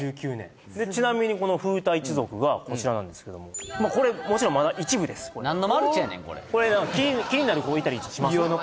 ちなみにこの風太一族がこちらなんですけどもこれもちろんまだ一部です何のマルチやねんこれこれ気になる子いたりします？